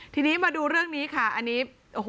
ทีนี้มาดูเรื่องนี้ค่ะอันนี้โอ้โห